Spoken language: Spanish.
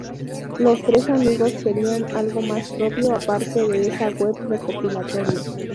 Los tres amigos querían algo más propio aparte de esa web recopilatoria.